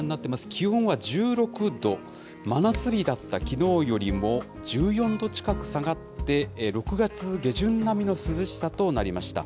気温は１６度、真夏日だったきのうよりも１４度近く下がって、６月下旬並みの涼しさとなりました。